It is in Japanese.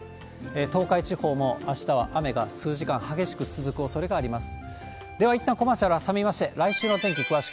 東海地方も、あしたは雨が数時間、激しく続くおそれがあります。